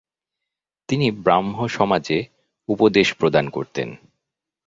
তিনি ব্রাহ্মসমাজে উপদেশ প্রদান করতেন।